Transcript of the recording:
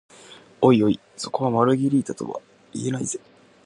おいおい、それはマルゲリータとは言えないぜ？